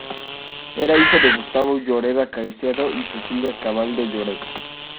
Era hija de Gustavo Lloreda Caicedo y Cecilia Cabal de Lloreda.